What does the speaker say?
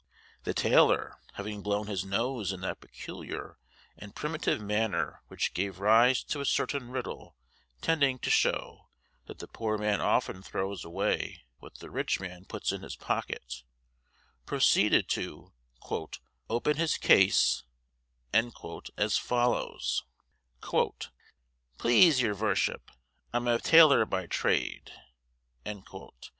The tailor, having blown his nose in that peculiar and primitive manner which gave rise to a certain riddle tending to show that the poor man often throws away what the rich man puts in his pocket, proceeded to "open his case" as follows: "Please yer vorship, I'm a tailor by trade."